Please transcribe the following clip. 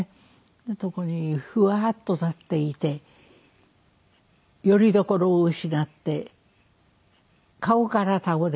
ふわっと立っていてよりどころを失って顔から倒れて。